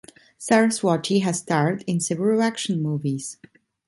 Saraswati has starred in several action movies.